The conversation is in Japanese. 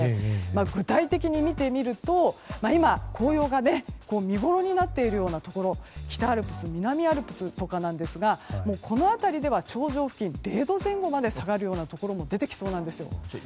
具体的に見てみると今、紅葉が見ごろになっているようなところ北アルプス南アルプスとかなんですがこの辺りでは頂上付近０度前後まで下がるところが出てきそうなんですよ。